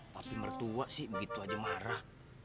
tapi mertua sih begitu aja marah